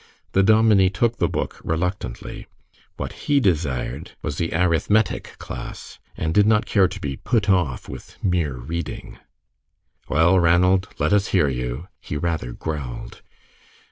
The dominie took the book reluctantly. What he desired was the "arith MET ic" class, and did not care to be "put off" with mere reading. "Well, Ranald, let us hear you," he rather growled.